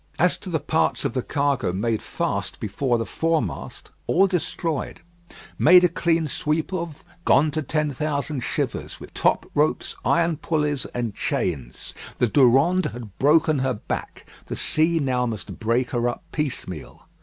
As to the parts of the cargo made fast before the foremast, all destroyed, made a clean sweep of, gone to ten thousand shivers, with top ropes, iron pulleys, and chains. The Durande had broken her back; the sea now must break her up piecemeal.